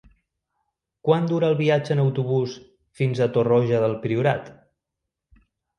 Quant dura el viatge en autobús fins a Torroja del Priorat?